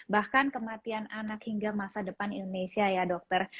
bahkan kematian anak hingga masa depan indonesia ya dokter